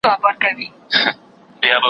زموږ پر کور باندي چي غم دی خو له ده دی